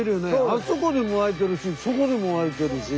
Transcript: あそこでも湧いてるしそこでも湧いてるし。